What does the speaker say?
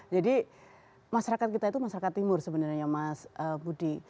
jadi masyarakat kita itu masyarakat timur sebenarnya mas budi